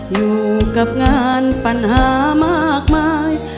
อยู่กับงานปัญหามากมาย